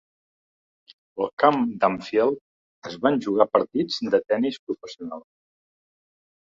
Al camp d'Anfield es van jugar partits de tenis professional.